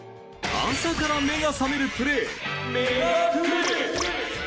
朝から目が覚めるプレーメガプレ！